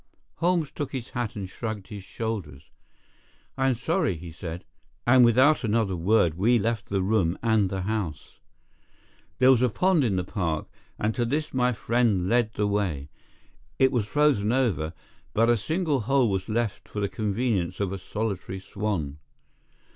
Holmes took his hat and shrugged his shoulders. "I am sorry," he said, and without another word we left the room and the house. There was a pond in the park, and to this my friend led the way. It was frozen over, but a single hole was left for the convenience of a solitary swan.